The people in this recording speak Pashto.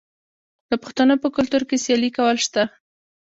د پښتنو په کلتور کې سیالي کول شته.